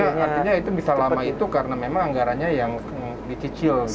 artinya itu bisa lama itu karena memang anggarannya yang dicicil gitu ya